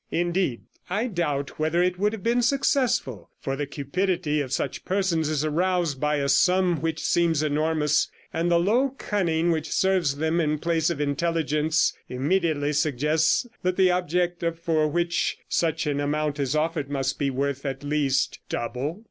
Indeed, I doubt whether it would have been successful; for the cupidity of such persons is aroused by a sum which seems enormous, and the low cunning which serves them in place of intelligence immediately suggests that the object for which such an amount is offered must be worth at least double.